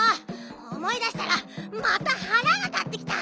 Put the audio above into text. おもい出したらまたはらが立ってきた！